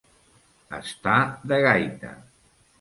Estar de gaita.